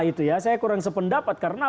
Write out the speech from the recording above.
itu ya saya kurang sependapat karena